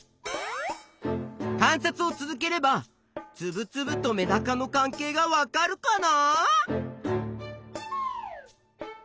観察を続ければつぶつぶとメダカの関係がわかるかな？